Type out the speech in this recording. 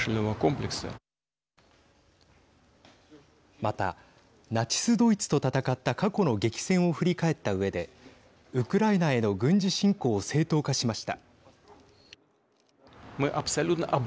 また、ナチス・ドイツと戦った過去の激戦を振り返ったうえでウクライナへの軍事侵攻を正当化しました。